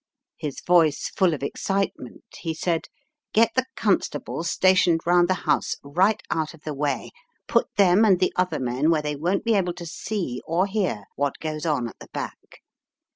His voice full of excitement, he said, "get the constables stationed round the house, right out of the way. Put them and the other men where they won't be able to see or hear what goes on at the back.